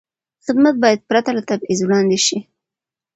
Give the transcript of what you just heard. خدمت باید پرته له تبعیض وړاندې شي.